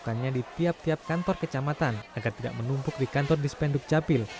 lakukannya di tiap tiap kantor kecamatan agar tidak menumpuk di kantor dispenduk capil